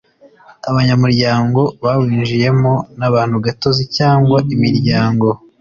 abanyamuryangobawinjiyemo n abantu gatozi cyangwa imiryango